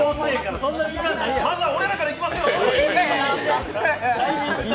まずは俺らからいきますよ！